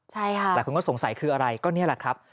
ใช่ค่ะหลายคนก็สงสัยคืออะไรก็นี่แหละครับ